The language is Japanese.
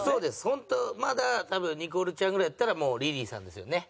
ホントまだ多分ニコルちゃんぐらいだったらリリーさんですよね。